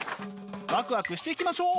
ワクワクしていきましょう！